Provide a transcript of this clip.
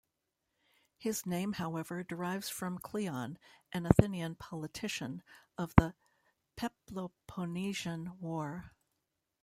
His name however derives from Cleon, an Athenian politician of the Peloponnesian War.